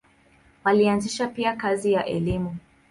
Walianzisha pia kazi ya elimu.